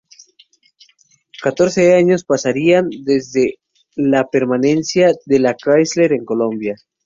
Catorce años pasarían desde la permanencia de la Chrysler en Colombia.